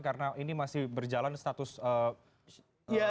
karena ini masih berjalan status pemeriksaan dan juga hukum